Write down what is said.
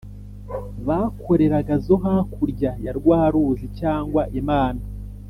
Bakoreraga zo hakurya ya rwa ruzi cyangwa imana